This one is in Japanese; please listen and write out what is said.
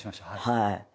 はい。